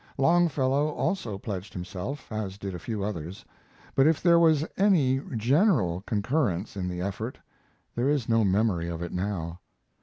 Longfellow also pledged himself, as did a few others; but if there was any general concurrence in the effort there is no memory of it now.